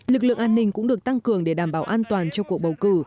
lực lượng an ninh cũng được tăng cường để đảm bảo an toàn cho cuộc bầu cử